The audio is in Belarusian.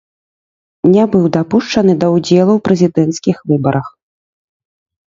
Не быў дапушчаны да ўдзелу ў прэзідэнцкіх выбарах.